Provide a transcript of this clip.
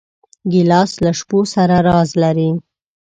ګیلاس له شپو سره راز لري.